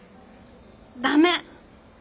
ダメ！